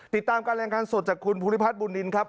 ติดตามการรายงานสดจากคุณภูริพัฒนบุญนินครับ